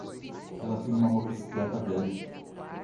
Ela tem uma motocicleta velha.